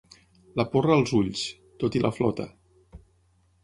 ―la porra als ulls― tot i la flota.